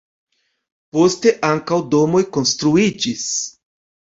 Poste ankaŭ domoj konstruiĝis.